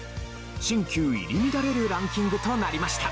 新旧入り乱れるランキングとなりました。